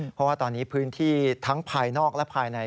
เพราะว่าตอนนี้พื้นที่ทั้งภายนอกและภายใน